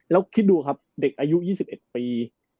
แล้วคิดดูครับเด็กอายุ๒๑ปี